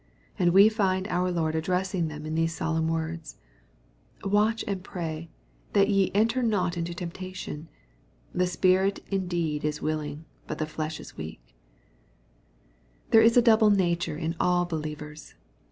And we find our Lord addressing them in these solemn words, ^Watch and pray, that ye enter not into tempta tion : the spirit indeed is willing, but the flesh is weakly There is a double nature in all believers.